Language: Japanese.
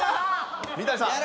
三谷さん。